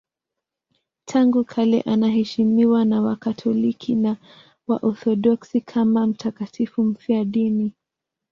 Tangu kale anaheshimiwa na Wakatoliki na Waorthodoksi kama mtakatifu mfiadini.